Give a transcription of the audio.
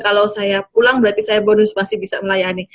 kalau saya pulang berarti saya bonus masih bisa melayani